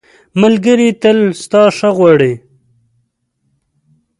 ملګری تل ستا ښه غواړي.